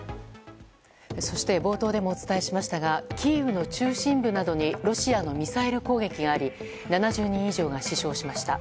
そして冒頭でもお伝えしましたがキーウの中心部などにロシアのミサイル攻撃があり７０人以上が死傷しました。